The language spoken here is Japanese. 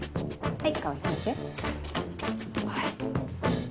はい。